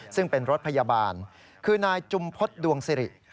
ซึ่งเป็นรถพยาบาลคือนายจุมพฤษดวงสิริ